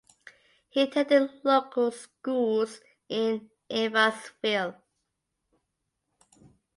He attended local schools in Evansville.